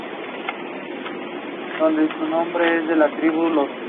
Los progresos de la restauración pueden observarse en vivo gracias a una "webcam".